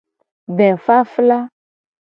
Defafla.